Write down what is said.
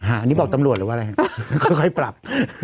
อันนี้บอกตำรวจหรือว่าอะไรฮะค่อยปรับ